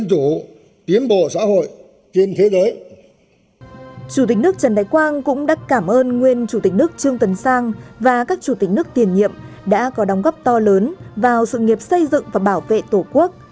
chủ tịch nước trần đại quang cũng đã cảm ơn nguyên chủ tịch nước trương tấn sang và các chủ tịch nước tiền nhiệm đã có đóng góp to lớn vào sự nghiệp xây dựng và bảo vệ tổ quốc